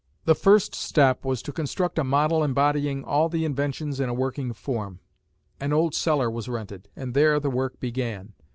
The first step was to construct a model embodying all the inventions in a working form. An old cellar was rented, and there the work began.